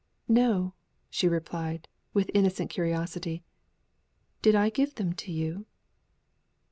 "No!" she replied, with innocent curiosity. "Did I give them to you?"